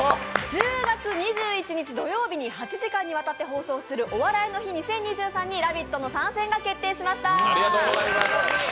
１０月２１日土曜日に８時間にわたって放送する「お笑いの日２０２３」に「ラヴィット！」の参戦が決定しました。